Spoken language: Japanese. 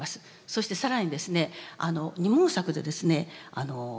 そして更にですね二毛作でですね